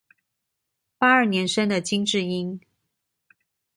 八二年生的金智英